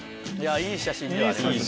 いい写真ではありますよね。